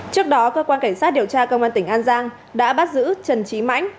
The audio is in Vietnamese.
trước đó cơ quan cảnh sát điều tra công an tỉnh an giang đã bắt giữ trần trí mãnh